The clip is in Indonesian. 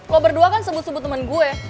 kalau berdua kan sebut sebut temen gue